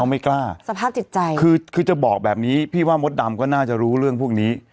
ไม่กล้าสภาพจิตใจคือคือจะบอกแบบนี้พี่ว่ามดดำก็น่าจะรู้เรื่องพวกนี้